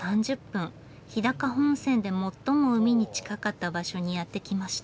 日高本線で最も海に近かった場所にやって来ました。